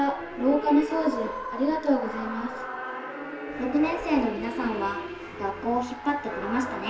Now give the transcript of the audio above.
６年生の皆さんは学校を引っ張ってくれましたね。